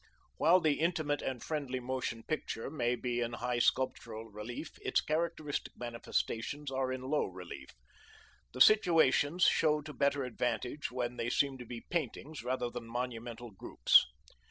While the Intimate and friendly Motion Picture may be in high sculptural relief, its characteristic manifestations are in low relief. The situations show to better advantage when they seem to be paintings rather than monumental groups.